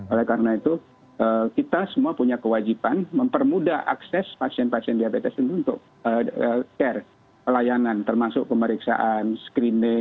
oleh karena itu kita semua punya kewajiban mempermudah akses pasien pasien diabetes ini untuk healthcare pelayanan termasuk pemeriksaan penyelenggaraan penyelenggaraan dan perubahan